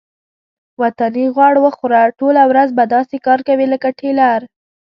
وطني غوړ وخوره ټوله ورځ به داسې کار کوې لکه ټېلر.